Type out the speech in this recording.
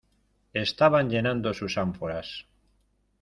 estaban llenando sus ánforas.